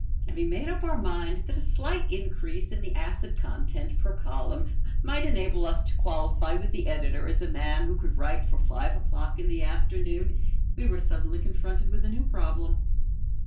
Having made up our mind that a slight increase in the acid content per column might enable us to qualify with the editor as a man who could write for five o'clock in the afternoon, we were suddenly confronted with a new problem.